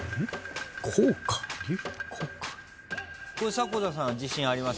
迫田さん自信あります？